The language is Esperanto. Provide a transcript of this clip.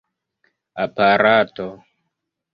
aparato